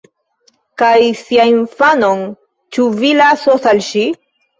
Kaj sian infanon ĉu vi lasos al ŝi?